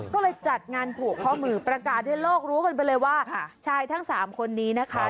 ก็เลยจัดงานผูกข้อมือประกาศให้โลกรู้กันไปเลยว่าชายทั้งสามคนนี้นะคะ